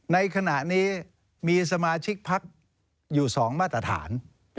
ในขณะนี้มีสมาชิกพักอยู่๒มาตรฐาน